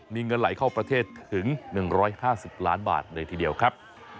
มีเงินไหลเข้าประเทศถึง๑๕๐ล้านบาทเลยทีเดียวครับ